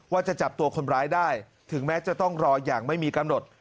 ว่าจะจับตัวคนร้ายได้ถึงแม้จะต้องรออย่างไม่มีกำหนด